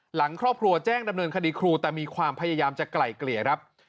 หลังครอบครัวแจ้งดำเนินคดีครูแต่มีความพยายามจะไกล่เกลี่ยครับ